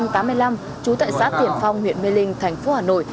trú tại xã tiển phong huyện mê linh thành phố hà nội